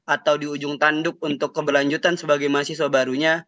atau di ujung tanduk untuk keberlanjutan sebagai mahasiswa barunya